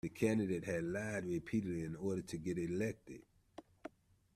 The candidate had lied repeatedly in order to get elected